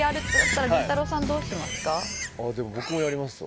でも僕もやりますわ。